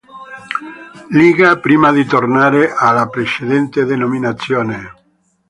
Liga", prima di tornare alla precedente denominazione.